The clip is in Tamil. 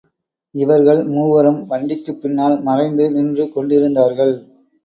இவர்கள் மூவரும் வண்டிக்குப் பின்னால் மறைந்து நின்று கொண்டிருந்தார்கள்.